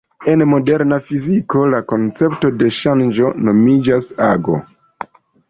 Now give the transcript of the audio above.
En moderna fiziko, la koncepto de ŝanĝo nomiĝas ago.